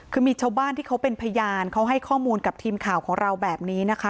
คือมีชาวบ้านที่เขาเป็นพยานเขาให้ข้อมูลกับทีมข่าวของเราแบบนี้นะคะ